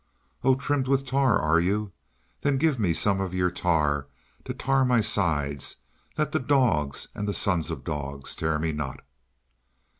"Oh! trimmed with tar, are you? Then give me of your tar to tar my sides, that the dogs and the sons of dogs tear me not!"